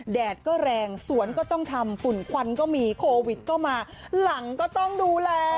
แดดก็แรงสวนก็ต้องทำฝุ่นควันก็มีโควิดก็มาหลังก็ต้องดูแล